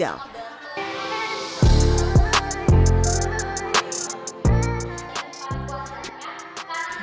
edozel penjualan berjualan live streaming